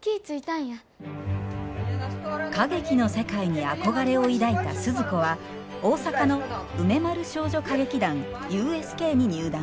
歌劇の世界に憧れを抱いた鈴子は大阪の梅丸少女歌劇団ＵＳＫに入団。